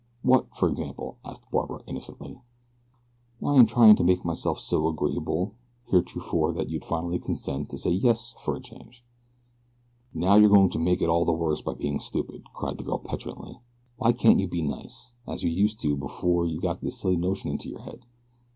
"What, for example?" asked Barbara, innocently. "Why in trying to make myself so agreeable heretofore that you'd finally consent to say 'yes' for a change." "Now you are going to make it all the worse by being stupid," cried the girl petulantly. "Why can't you be nice, as you used to be before you got this silly notion into your head?"